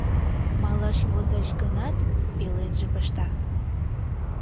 Малаш возеш гынат, пеленже пышта.